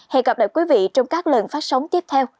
hẹn gặp lại quý vị trong các lần phát sóng tiếp theo